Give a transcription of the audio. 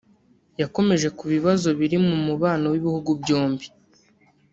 yakomoje ku bibazo biri mu mubano w’ibihugu byombi